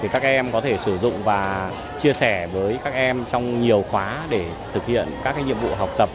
các em có thể sử dụng và chia sẻ với các em trong nhiều khóa để thực hiện các nhiệm vụ học tập